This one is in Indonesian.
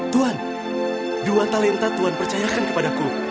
tuan dua talenta tuhan percayakan kepadaku